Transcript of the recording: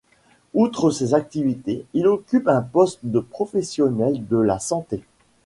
Outre ces activités, il occupe un poste de professionnel de la santé.